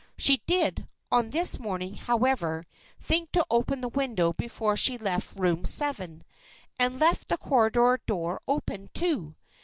She did, on this morning, however, think to open the window before she left Room Seven, and left the corridor door open, too.